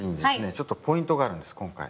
ちょっとポイントがあるんです今回。